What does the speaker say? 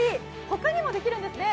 他にもできるんですね？